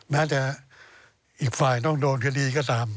แม้จะอีกฝ่ายต้องโดนคดีก็ตาม